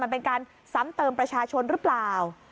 มันเป็นการซ้ำเติมประชาชนหรือเปล่า